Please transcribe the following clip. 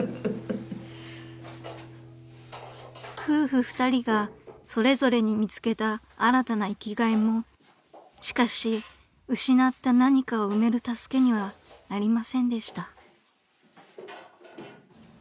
［夫婦２人がそれぞれに見つけた新たな生きがいもしかし失った何かを埋める助けにはなりませんでした］